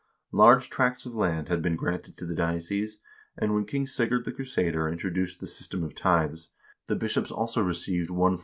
Large tracts of land had been granted to the diocese, and when King Sigurd the Crusader intro duced the system of tithes, the bishops also received one fourth of 1 Chr.